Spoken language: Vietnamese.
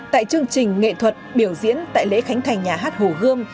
tại chương trình nghệ thuật biểu diễn tại lễ khánh thành nhà hát hồ gươm